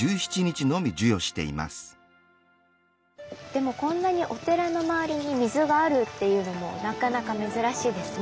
でもこんなにお寺の周りに水があるっていうのもなかなか珍しいですね。